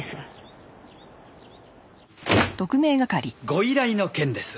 ご依頼の件です。